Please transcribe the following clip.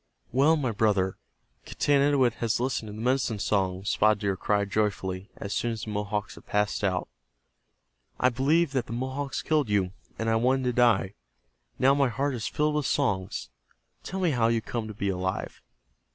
"Well, my brother, Getanittowit has listened to the medicine songs!" Spotted Deer cried, joyfully, as soon as the Mohawks had passed out. "I believed the Mohawks killed you, and I wanted to die. Now my heart is filled with songs. Tell me how you come to be alive."